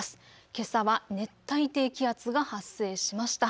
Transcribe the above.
けさは熱帯低気圧が発生しました。